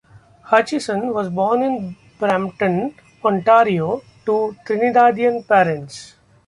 Hutchinson was born in Brampton, Ontario to Trinidadian parents.